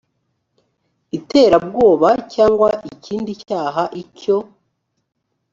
iterabwoba cyangwa ikindi cyaha icyo